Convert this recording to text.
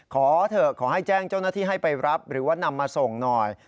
ขอเถอะขอให้แจ้งเจ้าหน้าที่ให้ไปรับหรือว่านำมาส่งหน่อย